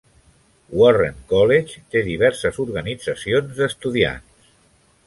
Warren College té diverses organitzacions d'estudiants.